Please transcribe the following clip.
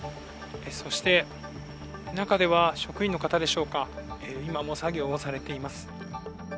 そして、中では職員の方でしょうか今も作業をされています。